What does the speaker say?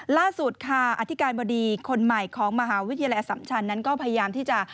ล่าสุดค่ะอธิการบดีคนใหม่ของมหาวิทยาลัยอสัมชันนั้นก็พยายามที่จะ